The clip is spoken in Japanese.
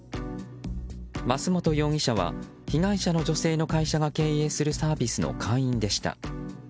増本容疑者は被害者の女性が経営するサービスの会員でした。